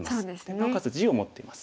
なおかつ地を持っています。